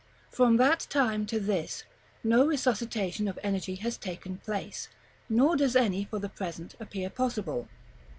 From that time to this, no resuscitation of energy has taken place, nor does any for the present appear possible.